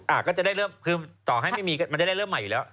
ก็จะได้เริ่มคือต่อให้ไม่มีมันจะได้เริ่มใหม่อยู่แล้ว